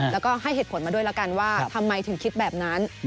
แล้วก็ให้เหตุผลมาด้วยแล้วกันว่าทำไมถึงคิดแบบนั้น